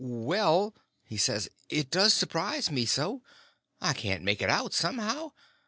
"Well," he says, "it does surprise me so. I can't make it out, somehow.